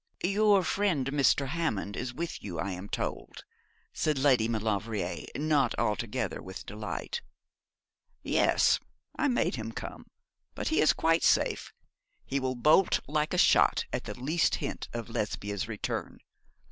'Your friend Mr. Hammond is with you, I am told,' said Lady Maulevrier, not altogether with delight. 'Yes, I made him come; but he is quite safe. He will bolt like a shot at the least hint of Lesbia's return.